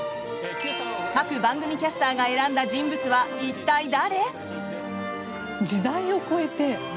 各番組キャスターが選んだ人物は一体誰？